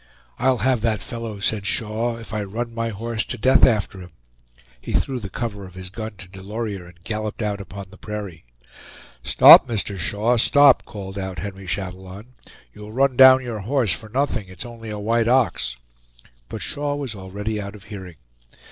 "I'll have that fellow," said Shaw, "if I run my horse to death after him." He threw the cover of his gun to Delorier and galloped out upon the prairie. "Stop, Mr. Shaw, stop!" called out Henry Chatillon, "you'll run down your horse for nothing; it's only a white ox." But Shaw was already out of hearing.